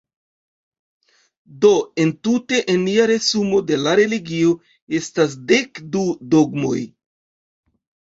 Do, entute, en nia resumo de la religio, estas dek du dogmoj.